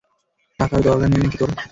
টাকার দরকার নেই নাকী তোর?